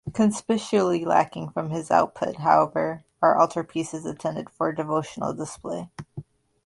Conspicuously lacking from his output, however, are altarpieces intended for devotional display.